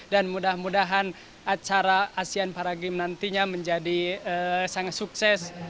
dan mudah mudahan acara asean paragames nantinya menjadi sangat sukses